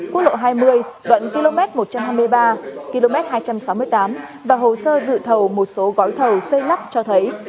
quốc lộ hai mươi đoạn km một trăm hai mươi ba km hai trăm sáu mươi tám và hồ sơ dự thầu một số gói thầu xây lắp cho thấy